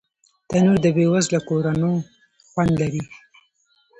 تنور د بې وزلو کورونو خوند لري